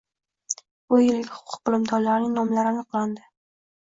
Bu yilgi huquq bilimdonlarining nomlari aniqlandi